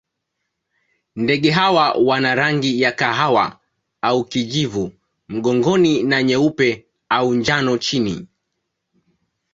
Ndege hawa wana rangi ya kahawa au kijivu mgongoni na nyeupe au njano chini.